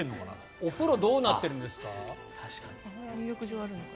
お風呂どうなっているんですか？